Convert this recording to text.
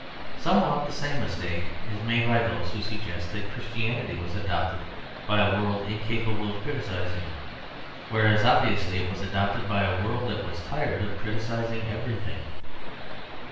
Somewhat the same mistake is made by those who suggest that Christianity was adopted by a world incapable of criticising it; whereas obviously it was adopted by a world that was tired of criticising everything.